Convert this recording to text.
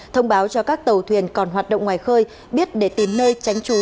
thông báo cho các tàu thuyền còn hoạt động ngoài khơi biết để tìm nơi tránh trú